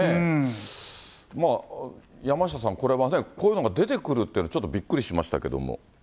まあ、山下さん、これはね、こういうのが出てくるってのはちょっとびっくりしましたけども。